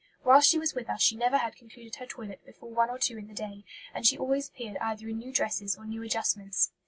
Whilst she was with us she never had concluded her toilet before one or two in the day, and she always appeared either in new dresses or new adjustments.